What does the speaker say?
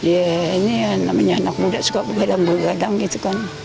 ya ini ya namanya anak muda suka begadang begadang gitu kan